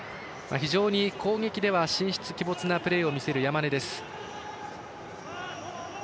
非常に攻撃では神出鬼没なプレーを見せる山根。